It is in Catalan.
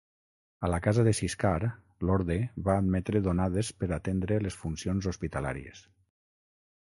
A la casa de Siscar, l’orde va admetre donades per atendre les funcions hospitalàries.